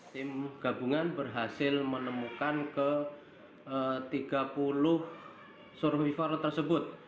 tim gabungan berhasil menemukan ke tiga puluh survivor tersebut